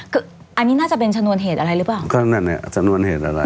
คืออันนี้น่าจะเป็นชนวนเหตุอะไรหรือเปล่าก็นั่นเนี้ยสำนวนเหตุอะไร